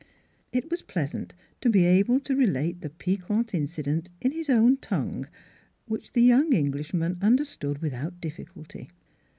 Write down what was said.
'It was pleasant to be able to relate the piquant incident in his own tongue, which the young Englishman understood without difficulty.